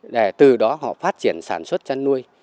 để từ đó họ phát triển sản xuất chăn nuôi